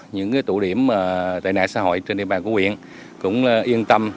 những tổ điểm tệ nạn xã hội trên địa bàn của huyện cũng yên tâm